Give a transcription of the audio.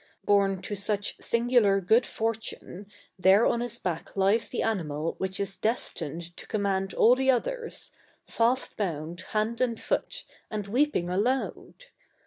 Born to such singular good fortune, there on his back lies the animal which is destined to command all the others, fast bound hand and foot, and weeping aloud!